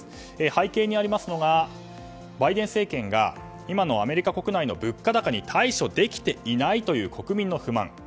背景にありますのがバイデン政権がアメリカ国内の物価高に対処できていないという国民の不満。